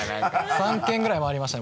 ３軒ぐらい回りましたね